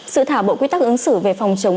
sự thảo bộ quy tắc ứng xử về phòng chống